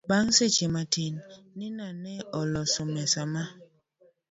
Bang' seche matin, Nina ne oloso mesa ma